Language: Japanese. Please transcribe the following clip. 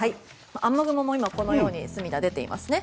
雨雲も今このように墨田、出ていますね。